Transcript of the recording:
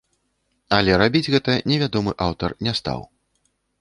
Але рабіць гэта невядомы аўтар не стаў.